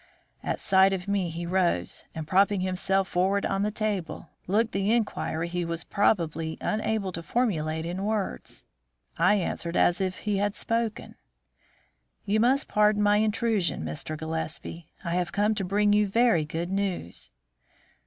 At sight of me he rose, and, propping himself forward on the table, looked the inquiry he was probably unable to formulate in words. I answered as if he had spoken: "You must pardon my intrusion, Mr. Gillespie. I have come to bring you very good news."